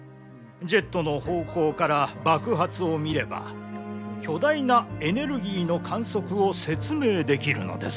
ジェットの方向から爆発を見れば巨大なエネルギーの観測を説明できるのです。